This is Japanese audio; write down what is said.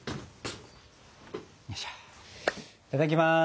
いただきます！